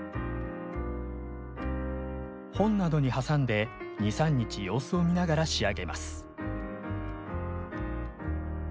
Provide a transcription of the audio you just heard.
本などに挟んで２３日様子を見ながら仕上げます。